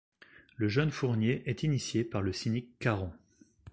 Le jeune Fournier est initié par le cynique Caron.